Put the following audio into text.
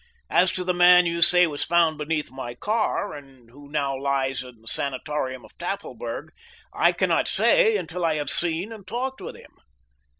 As to the man you say was found beneath my car, and who now lies in the sanatorium of Tafelberg, I cannot say until I have seen and talked with him.